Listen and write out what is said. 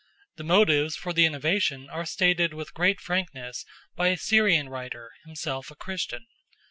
The motives for the innovation are stated with great frankness by a Syrian writer, himself a Christian.